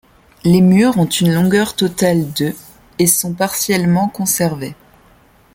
Les murs ont une longueur totale de et sont partiellement conservés.